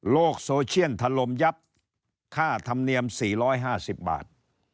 โซเชียลถล่มยับค่าธรรมเนียม๔๕๐บาท